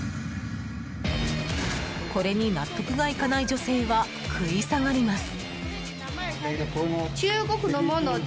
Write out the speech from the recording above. これに納得がいかない女性は食い下がります。